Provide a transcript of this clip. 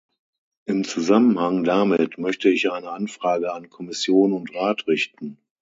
Im Zusammenhang damit möchte ich eine Anfrage an Kommission und Rat richten.